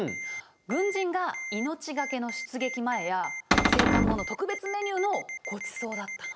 軍人が命懸けの出撃前や生還後の特別メニューのごちそうだったの。